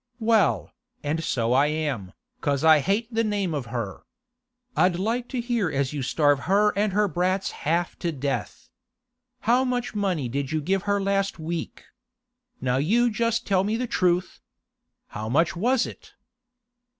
'Well, and so I am, 'cause I hate the name of her! I'd like to hear as you starve her and her brats half to death. How much money did you give her last week? Now you just tell me the truth. How much was it?